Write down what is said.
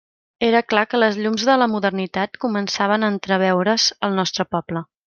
Era clar que les llums de la modernitat començaven a entreveure's al nostre poble.